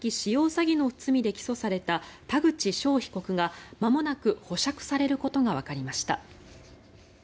詐欺の罪で起訴された田口翔被告がまもなく保釈されることがわかりました。